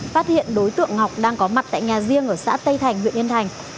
phát hiện đối tượng ngọc đang có mặt tại nhà riêng ở xã tây thành huyện yên thành